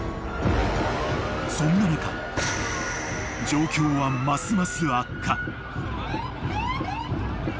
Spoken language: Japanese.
［そんな中状況はますます悪化］